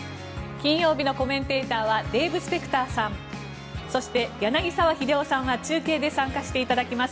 金曜日のコメンテーターはデーブ・スペクターさんそして、柳澤秀夫さんは中継で参加していただきます。